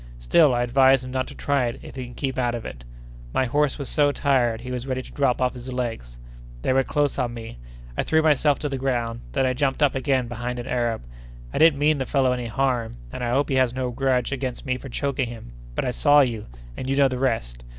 Still I advise him not to try it if he can keep out of it! My horse was so tired, he was ready to drop off his legs; they were close on me; I threw myself to the ground; then I jumped up again behind an Arab! I didn't mean the fellow any harm, and I hope he has no grudge against me for choking him, but I saw you—and you know the rest.